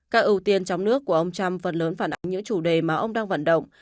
các ưu tiên trong nước của ông trump phần lớn phản ánh những chủ đề mà ông đang vận động